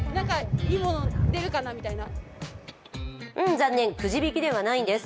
残念、くじ引きではないんです。